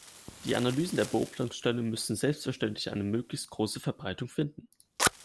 Die Analysen der Beobachtungsstelle müssen selbstverständlich eine möglichst große Verbreitung finden.